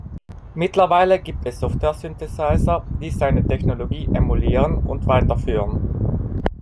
Mittlerweile gibt es Software-Synthesizer, die seine Technologie emulieren und weiterführen.